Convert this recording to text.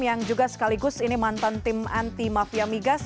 yang juga sekaligus ini mantan tim anti mafia migas